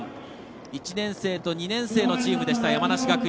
１年生と２年生のチームでした山梨学院。